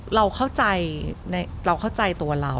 เราเข้าใจเราเข้าใจตัวเรา